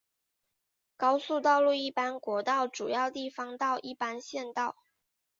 高速道路一般国道主要地方道一般县道